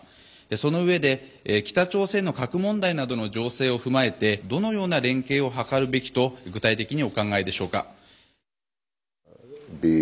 その上で北朝鮮の核問題などの情勢を踏まえてどのような連携を図るべきと具体的にお考えでしょうか？